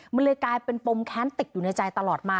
มันเลยกลายเป็นปมแค้นติดอยู่ในใจตลอดมา